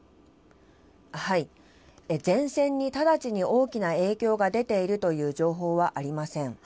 前線に直ちに大きな影響が出ているという情報はありません。